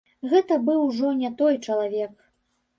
Гэта быў ужо не той чалавек.